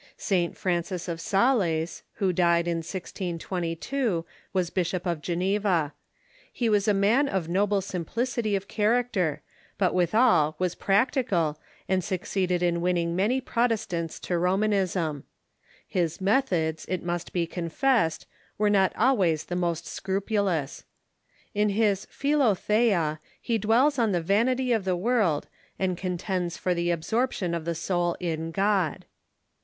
St. Francis of Sales, who died in 1622, Avas Bishop of Geneva. He was a man of noble simplicity of character, but withal was practical, and succeeded in winning manv Protestants to Romanism. His PREXCH MYSTICISM AND FLEMISH JANSENISM 337 methods, it must be confessed, were not always the most scni pnlous. In his "Philotliea" he dwells on the vanity of the world, and contends for the absorption of the soul in God.